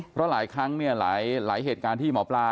เพราะหลายครั้งเนี่ยหลายเหตุการณ์ที่หมอปลา